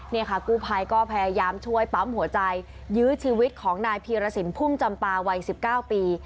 นี่ค่ะกู้ภัยก็พยายามช่วยปั๊มหัวใจยื้อชีวิตของนายพีรสินพุ่มจำปาวัย๑๙ปี